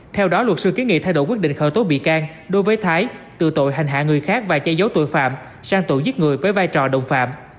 theo đó luật sư kiến nghị thay đổi quyết định khởi tố bị can đối với thái từ tội hành hạ người khác và che giấu tội phạm sang tội giết người với vai trò đồng phạm